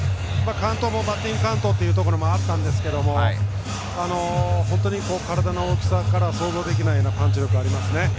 カウントがバッティングカウントというところもあったんですけど体の大きさからは想像できないようなパンチ力がありますね。